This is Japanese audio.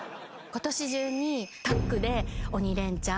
今年中にタッグで鬼レンチャン。